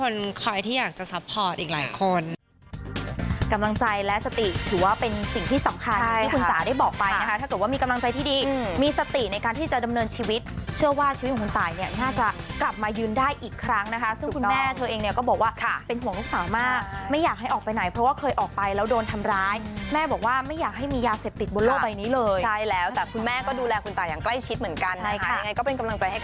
แล้วก็คิดว่ามีคนคอยที่อยากจะซัพพอร์ตอีกหลายคน